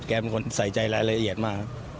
เป็นคนใส่ใจรายละเอียดมาก